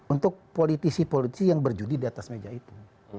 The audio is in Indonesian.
untuk politisi politisi yang berjudi di atas meja itu